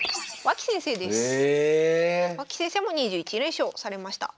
脇先生も２１連勝されました。